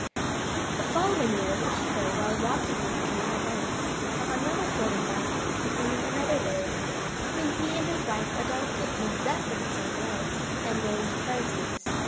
The following year, the keeper while walking on the canal banks, saw another floating basket, containing another babe, whom he and his wife adopted in exactly the same way, and named Perviz.